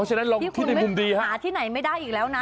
ฉะนั้นลองคิดในมุมดีฮะหาที่ไหนไม่ได้อีกแล้วนะ